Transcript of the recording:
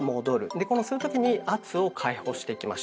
でこの吸う時に圧を解放していきましょう。